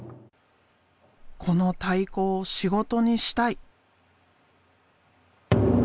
「この太鼓を仕事にしたい」。